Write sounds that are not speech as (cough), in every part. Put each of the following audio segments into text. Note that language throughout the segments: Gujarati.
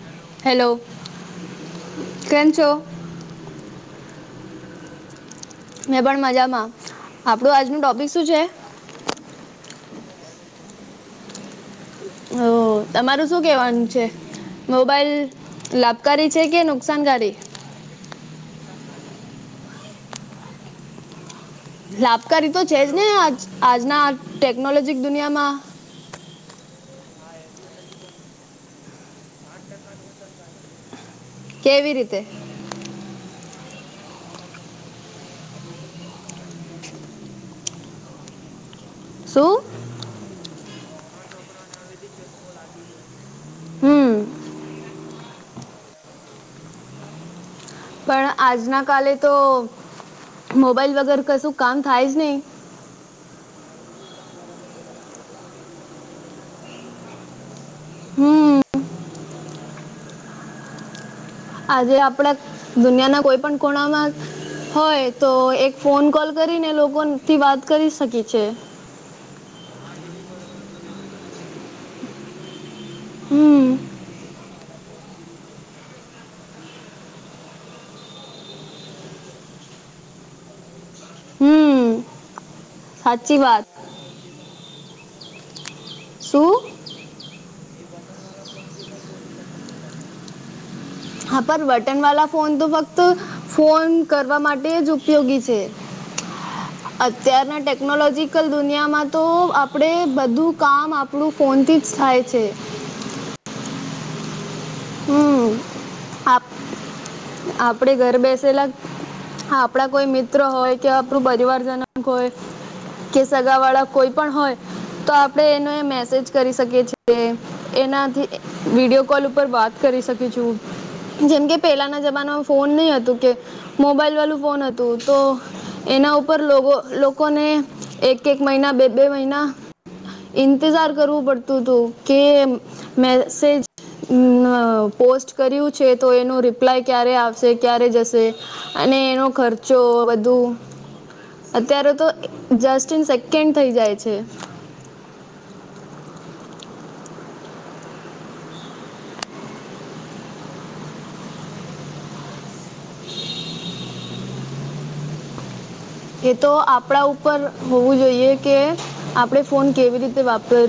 હેલો હા બોલો કેમ છો મજામાં તમે કેમ છો? મેં પણ મજામાં આપડું આજનું ટૉપિક શું છે. મોબાઈલો ઉપર (unintelligible) હો તમારું શું કેવાનું છે મોબાઈલ મોબાઈલ લાભકારી છે કે નુકસાનકારી નુકસાનકારી છે. લાભકારી તો છે જ ને હેલો આજ આજના ટેકનોલોજીક દુનિયામાં. હા એટલું નથી પન સાઠ ટકા નુકસાનકારી છે. કેવી રીતે? એ નાના છોકરાને આવેજી ચેપમાં આવી ગયો છે એટલે. શું? નાના છોકરા નાના છોકરોને હવેધી ચશ્મો લાગી ગયો છે. હમ. તો એના માટે પણ આજના કાલે તો મોબાઈલ વગર કશું કામ થાય જ નઈ. હ ઇ બિ પન બરાબર બોલે છે એ કવેરી છે એ બધું મોબાઈલ થી જ થાય છે. હમ. આજે આપડે દુનિયાના કોઈ પણ કોણામાં હોય તો એક ફોન કોલ કરીને લોકોનથી વાત કરી શકી છે. હા એ બી બરોબર બોલે છે તમે પન ફોન નથી. હમ. એ બટન વાલા ફોનથી બી બોલી શકો છે. હલો. હમ એ સાચી બટન વાત વાલા ફોનથી પન શું? એ બટન વાલા ફોનથી પણ બોલી શકો છો તમે. હા પર બટન વાલા ફોન તો ફક્ત ફોન કરવા માટે જ ઉપયોગી છે. ના ને અત્યારના પછી એ જોઈએ ટેકનોલોજીકલ ને આ દુનિયામાં તો આ પડે બધું કામ આપણું ફોનથી જ થાય છે. હમ. બરોબર બોલો છો તમે. આપડે ઘર બેસેલા આપડા કોઈ મિત્ર હોય કે આપણું પરિવારજનક હોય કે સગા વાળા કોઈ પણ હોય તો આપડે એને મેસેજ કરી શકીએ છીએ એનાથી હા વિડીયો કોલ ઉપર વાત કરી શકી છું. જેમ કે પેલાના જમાનામાં ફોન નઇ હતું કે મોબાઈલ વાલું ફોન હતું તો એના ઉપર લોગો લોકોને એક એક મઇના બે બે મઇના ઈંતજાર કરવું પડતું તું કે મેસેજ નાં અ પોસ્ટ કર્યું છે તો એનું રિપ્લાય ક્યારે આવશે ક્યારે જશે અને એનો ખર્ચો બધુ અત્યારે તો જસ્ટ ઇન સેકન્ડ થઈ જાય છે. બરોબર બોલે છે તમે પન એટલું નહી કામ તું. બ ઇસ છોકરા મોબાઈલ પર ફોકસ કરે છે. એ તો આપડા ઉપર હોવું જોઈએ કે આપડે ફોન કેવી રીતે વાપર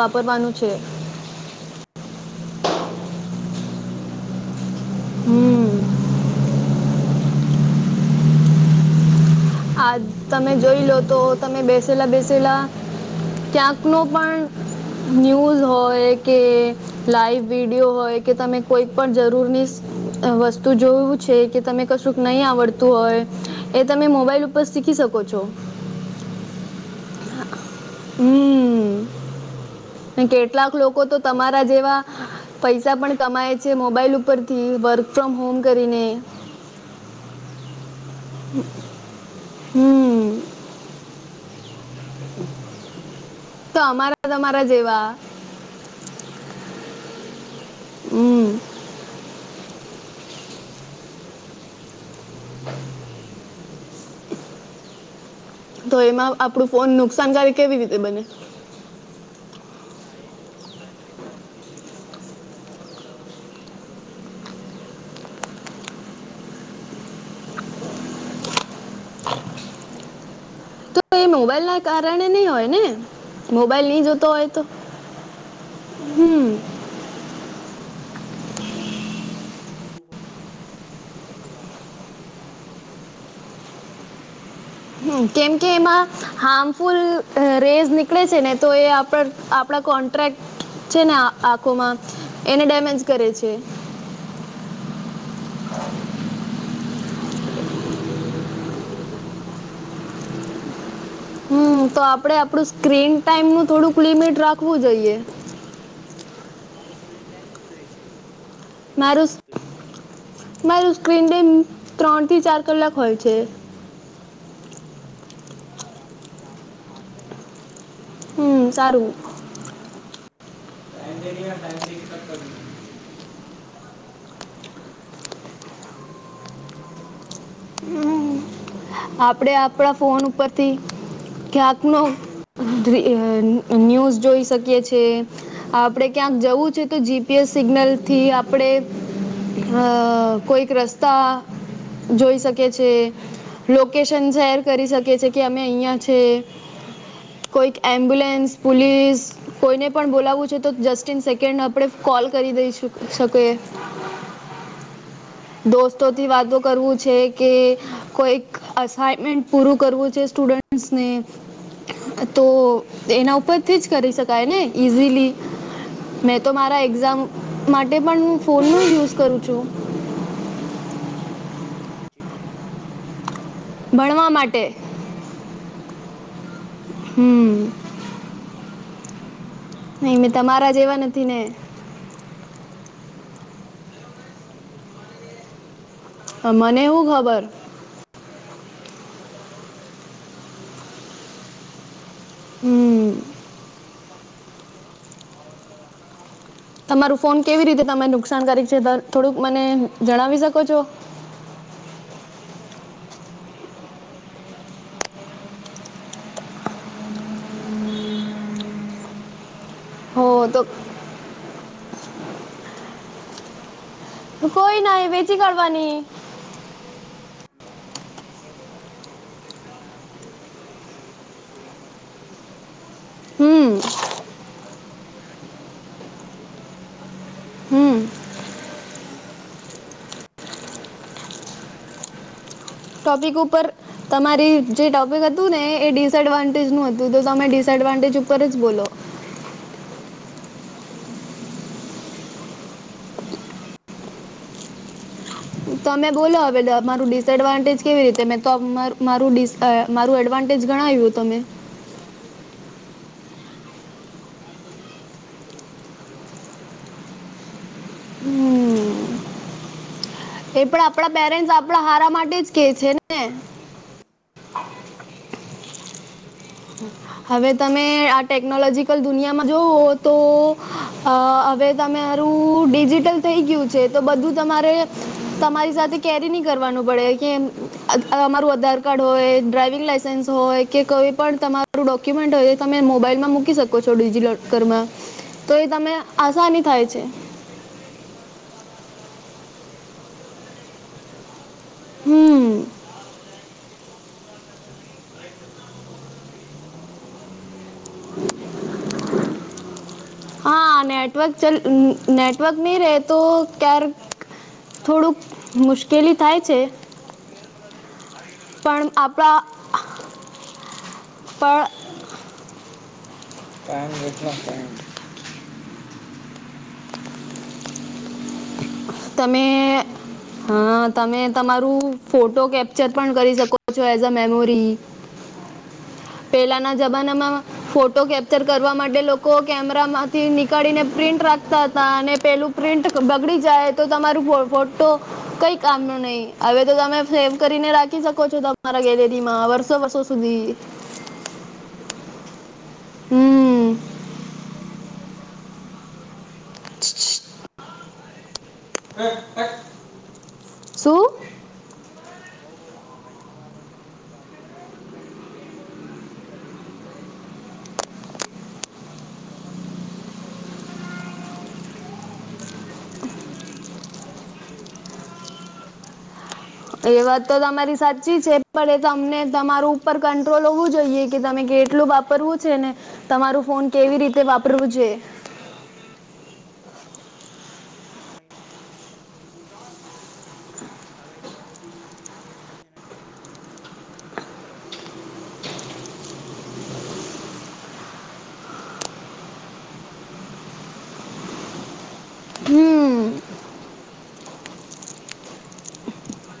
વાપરવાનું છે. એવું હમ. હમ હા તમે જોઈ લો તો તમે બેસેલા બેસેલા ક્યાંક નો પણ ન્યૂઝ હોય કે લાઈવ વિડીયો હોય કે તમે કોઈ પણ જરૂરનીસ વસ્તુ જોયું છે કે તમે કશુંક નહીં આવડતું હોય એ તમે મોબાઈલ ઉ પર શીખી શકો છો. ઓહો હમ. હમ કેટલાક લોકો તો બરાબર તમારા બોલે જેવા છે પૈસા પણ કમાય છે મોબાઈલ ઉપરથી વર્ક ફ્રોમ હોમ કરીને. એવું તમે એવું કરો હમ. છો હમ. તમે બી તો કમાવો જ છો ને. તો અમારા તમારા જેવા. હા એવું બોલો હમ હમ, (unintelligible) એ જ છે ને. તો એમાં આપડુ મોબાઈલ ફોન નુકસાનકારી કેવી રીતે મોબાઈલ બને. ના એ તો નુકસાન છે કારણ કે છે ને અમાર તો એ નોનો મારો કઝિન છે એને એમને તો ચશ્મો લાગી ગ્યો છે હવેથી બધું એ તો મોબાઈલ ભી નહી જોતો દરેક ચશ્મો લાગી ગ્યો છે એમને. તો એ મોબાઈલ ના એના કારણે પરથી નહી હોય ને. મોબાઈલ નહી ના જોતો એ હોય તો જન હમ. અને (unintelligible) ડ્રોક્ટ ડ્રોક્ટરે કીધું હોય કે એમને સ્ક્રીન જ નહી જોવા મળે ટીવી ની પણને સ્ક્રીન જોય છે. સ્ક્રીન જોવાળાની. હ કેમ કે એમાં હાર્મફુલ અ રેઝ નીકળે છે ને તો એ આપડ આપ પડા કોન્ટ્રાક્ટ છે ને આંખોમાં એને ડેમેજ કરે છે. રે છે ત મે આખુંમાં એ એ કરે છે. તે બરોબર બોલે હમ છે તો તમે આપડે આપડું સ્ક્રીન ટાઈમનું થોડુંક લિમિટ રાખવું જોઈએ. તમારો સ્ક્રીન ટાઈમ હુ રેહ છે. મારુસ દિવસનો સ્ક્રીન ટાઈમ મારુ સ્ક્રીન ટાઈમ ત્રણ થી ચાર કલાક હોય છે. હા મારુ તિ ચાર તો પાંચ કલાક હોય છે. હમ સારું. એજ છે ને સ્ક્રીન ટાઈમ કમી જોઈએ આજના જમાનામાં. હમ આપડે આપડા હમ, ફોન બને ઉપરથી ક્યાક નો એ ન્યૂઝ જોઈ શકીએ છીએ. આપડે ક્યાંક જવું છે તો જીપીએસ સિગ્નલ થી આપડે અ કોઈક રસ્તા જોઈશ શકે છે, લોકેશન શેર કરી શકે છે કે અમે અહીંયા છે. હો કોઈક એમ્બુલેન્સ, પુલીસ કોઈને પણ બોલાવવું છે તો જસ્ટ ઇન સેકન્ડ આપડે કોલ કરી દઈ શક શકીએ. હા હા હા દોસ્ત તો થી બરોબર વાતો કરવું છે કે કોઈક અસાઈમેન્ટ પૂરું કરવું છે સ્ટુડન્ટ અ સ્નેહ તો હા એના ઉપરથી જ કરી શકાય ને ઈઝીલી મે તો મારા ઓકે એક્ઝામ માટે પન હું ફોનનું યુઝ કરું છું. ચિટિંગ કરવા માટે. ભણવા માટે ઓકે હમ. હું ચીટિંગ કરવા નહીં, મેં સારું છે ને તમારા જેવા પછી નથી ને. હું હું ચિટિંગ કરે છે. મને હું ખબર. હમે, તો હમે તો ચિટીગ ન ચાલતી અમાર તો. હમ. તમારું ફોન કેવી રીતે તમે નુકસાનકારક છે, થોડુંક મને જણાવી શકો છો. તો અમારો ફોન મેં તો ના પાડતો તો, મારા પપ્પાને ફોન લ્યા, પણ એમને લઈ દીધો છે. હો કે તો બધા છોકરા પાસે છે, તો હું તારા પાસે કેમ નહીં લઈ દેને. મેં કોઈ કીધું, એ ના મને વેચી નહી જોઈએ. કાઢવાની ના મેં કીધું એમને, કીધું ના મને નહી લેવું છે, મને સેવિંગમાં નાખી દું. એટલા પૈસા હમ. અને ના જ પાડતા હતા, ના લઈ લે, સેવમાં હમ તને બીજા લઈ મૂક એવું કહેતા. એનુ. ટોપિક ઉપર. તમારી જે ટોપિક હતું ને, એ ડિસએડવાન્ટેજ નું હતું, તો તમે ડિસએડવાન્ટેજ ઉપર જ બોલ્યા. ઓકે (unintelligible) બોલો. તમે બોલો હવે, મારું દિશાનું ડિસએડવાન્ટેજ કેવી રીતે મેં મારું અ મારું એડવાન્ટેજ ગણા આવ્યું તમે. અમારે તો એ ફોન નહીં જોવાના, જોવા જતા, અમારે તો એ છોકરામાં હમ એ કારણ પણ કે છે આપણા ને પેરેન્ટ્સ આપણા ફોન જો હારા માટે જ કે ફોન છે ને. હા, એ. હવે એ તો તમે ના પાડતો ટેકનોલોજીકલ દુનિયામાં જુઓ તો, હવે તમારું ડિજિટલ થઈ ગયું છે, તો બધું તમારે તમારી સાથે કેરી નહી કરવાનું પડે કે. અમારું આધાર કાર્ડ હોય, ડ્રાઈવિંગ લાઈસન્સ હોય કે, કોઈ પણ તમારું ડોક્યુમેન્ટ હોય, એ તમે મોબાઈલમાં મૂકી શકો છો, ડિજીિલોકરમાં હા તો એ બી તમે બી આસાની બરાબર થાય બોલે છે. તમે મારો કંઈ ડોક્યુમેન્ટ મોબાઈલમાં જ છે. હમ. વચને. કોઈ કઈ જગ પ પરે મોબાઈલ ભી કામ આવે છેેને, કોઈ-કોઈ જગ પર મા મોબાઈલ ભી ન કામ આવે છે. તો બરાબર છે ને. હા, કે નેટવર્ક ગલત ચલ છે નેટવર્ક નહીં રહે તો, ક્યારેક થોડુંક મુશ્કેલી થાય છે. પણ આપ હ, તે જ ને. નેટવર્ક પણ જ નહીં રહેતો હોય, તો બહુ ગુસ્સા આવે છે. (unintelligible) હેલો. તમે હેલો હા, તમે તમારું ફોટો કેપ્ચર પણ કરી શકો છો, એઝ અ મેમોરી પેહલા ના હા જમાનામાં. ફોટો કેપ્ચર કરવા માટે લોકો કેમેરા માંથી નીકળીને પ્રિન્ટ રાખતા હતા અને પેલું પ્રિન્ટ. બગડી જાય તો તમારું ફ ફોટો. કઈ કામ નુ નહી હવે તો તમે સેવ કરીને રાખી શકો છો. તમારા ગેલેરીમાં વર્ષો વષ સુધી. એ એ જ છે ને અને હમ. બહુ બધો બી મોબાઈલ જોવાનું કામ નથી છે. હલો શું. બહુ બધો મોબાઈલ જોવાનો બી નથી કોમનું છે. કારણ કે આપણી, શરીર ની માટે હાનિકારક છે. આપણી આપણી પાસે મોબાઈલ આવી જાય ને તું, આપડણે રાત્ર રાધે રાધે એક એક બે બે લૂગી વાજે લુંગી. રીલસ સ્ક્રોલ સ્ક્રોલ કર છો. એ વાત તો તમારી ઇન્સ્ટાગ્રામ પર સાચી છે. પણ એ તમને તમારું ઉપર કંટ્રોલ હોવું જોઈએ કે તમે કેટલું વાપરવું છે. ને, તમારું ફોન કેવી રીતે વાપરવું જોઈએ. ના બહુ સમય વાપરે છે. પણ તરીબી એ (unintelligible) આવે જોબી રીખામ. છે. ને તો હવે સ્ક્રીન રીલ જોવા જોવાનો ટાઈમ નીકળી જાય છે. બધા, હવે મેં રીલ જોતો હતો ક્યારે સવારે ચાર વાગી ગયા મને ખબર નથી. એક વાગ્યા નો હમ જોતો હતો મેં રીલ, પણ ખબર નથી ક્યારે ચાર વા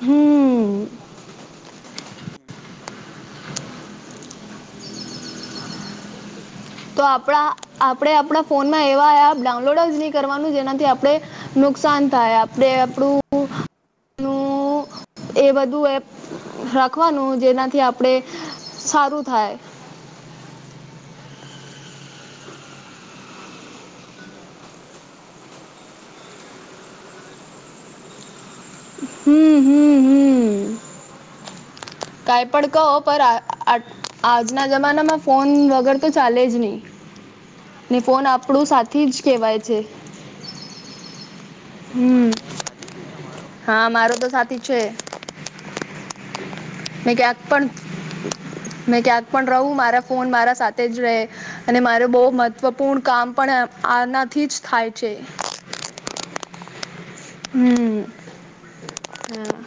હમ. જે છે ને એના માટે વધુ નહીં ગણવાનું. તો આપણા આપણે આપણા ફોનમાં એવા એપ ડાઉનલોડ જ નહી કરવાનું જેનાથી આપણે. નુકસાન થાય આપણે આપણું એ બધું એપ, રાખવાનું જેનાથી આપડે સારું થાય. નાને એટલું તેટલું બી જરૂરી છે. ને કારણ કે ભાઈબધ. તું ક છે. નહી તો કશું નહી ચાલતે એવું બોલા છે. હમ હું કોણ હમ હમ કાય પણ કહો બરોબર પણ છે અ ને આ આજના જમાનામાં ફોન વગર તો ચાલે જ નહીં. ને ફોન ઓકે આપણું સાથે જ કેવાય છે. ઓકે એટલે હમ તમારો ફોન સાથી છે તમારો, હા મારો તો સાથી છે. બ. (unintelligible) મે ક્યાંક પણ મે ક્યાંક પણ રહું મારા ફોન મારા સાથે જ રહે. અને મારે બહુ મહત્વપૂર્ણ કામ પણ આનાથી જ થાય છે. ઓકે ઓકે, ચાલશે હમ ટાઈમ પતી ગયો છે. હા